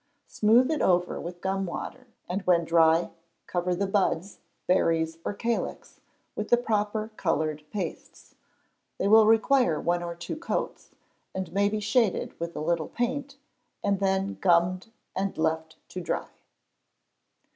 Smooth it over with gum water, and when dry, cover the buds, berries, or calyx with the proper coloured pastes; they will require one or two coats, and may be shaded with a little paint, and then gummed and left to dry.